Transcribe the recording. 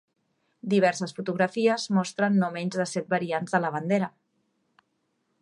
Diverses fotografies mostren no menys de set variants de la bandera.